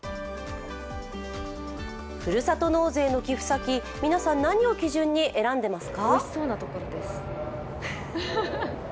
ふるさと納税の寄付先、皆さん、何を基準に選んでいますか？